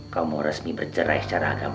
kamu mau resmi bercerai secara agama